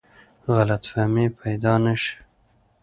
غلط فهمۍ پیدا نه شي.